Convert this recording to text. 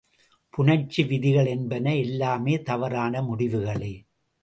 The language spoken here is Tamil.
புணர்ச்சி விதிகள் என்பன எல்லாமே தவறான முடிவுகளே.